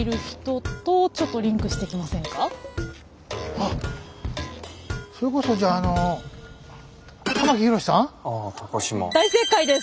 あっそれこそじゃああの大正解です。